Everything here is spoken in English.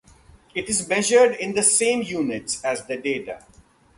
It is measured in the same units as the data.